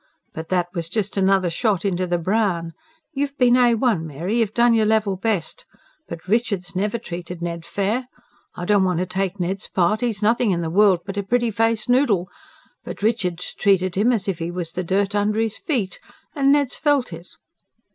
But that was just another shoot into the brown. You've been A1, Mary; you've done your level best. But Richard's never treated Ned fair. I don't want to take Ned's part; he's nothing in the world but a pretty faced noodle. But Richard's treated 'im as if he was the dirt under 'is feet. And Ned's felt it.